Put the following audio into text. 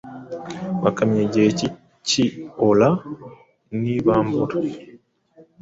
bakamenya igihe cy’ibikiora n’ibambura ,